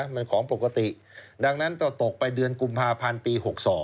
มันของปกติดังนั้นก็ตกไปเดือนกุมภาพันธ์ปี๖๒